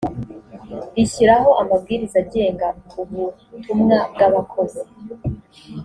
rishyiraho amabwiriza agenga ubutumwa bw abakozi